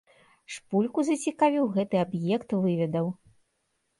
Шпульку зацікавіў гэты аб'ект выведаў.